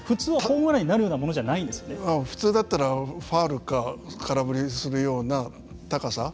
普通だったらファウルか空振りするような高さ。